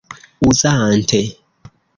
uzante